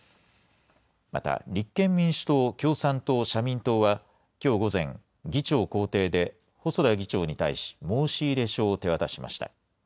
また、立憲民主党、共産党、社民党は、きょう午前、議長公邸で、細田議長に対し申し入れ書を手渡しました。